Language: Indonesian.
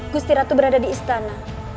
gusti ratu berada di istana